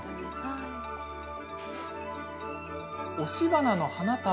押し花の花束？